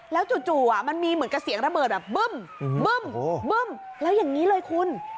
แล้วจู่จู่อ่ะมันมีเหมือนกับเสียงระเบิดแบบแล้วอย่างงี้เลยคุณ